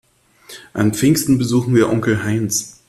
An Pfingsten besuchen wir Onkel Heinz.